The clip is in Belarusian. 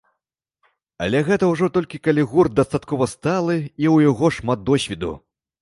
Але гэта ўжо толькі калі гурт дастаткова сталы і ў яго шмат досведу.